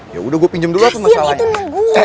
ya udah gue pinjem dulu masalahnya